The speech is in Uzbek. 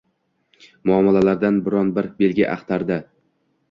Muomalalardan biron-bir belgi axtardi